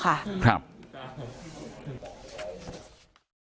ครับ